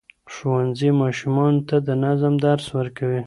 ښوونځي ماشومانو ته د نظم درس ورکوي.